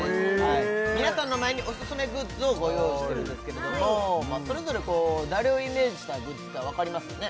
皆さんの前にオススメグッズをご用意してるんですけれどもそれぞれ誰をイメージしたグッズか分かりますよね？